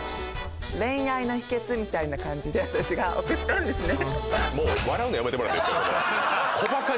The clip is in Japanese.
恋愛の秘訣みたいな感じで私が送ったんですね。